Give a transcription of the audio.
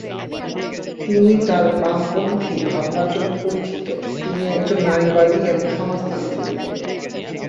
তিনি তাঁর বামপন্থী ভাবনার জন্য পরিচিত, তিনি একজন নারীবাদী এবং সমাজতান্ত্রিক।